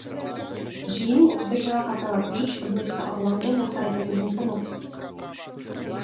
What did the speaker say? V říjnu obdržela kapela klíč od města Orlando za charitativní pomoc.